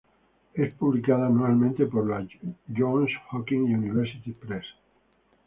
Es publicada anualmente por la Johns Hopkins University Press.